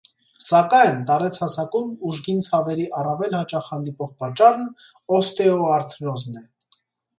Սակայն, տարեց հասակում ուժգին ցավերի առավել հաճախ հանդիպող պատճառն օստեոարթրոզն է։